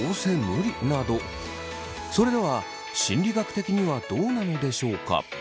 それでは心理学的にはどうなんでしょうか。